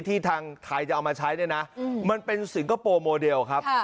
ที่ทางไทยจะเอามาใช้เนี่ยนะมันเป็นสิงคโปร์โมเดลครับ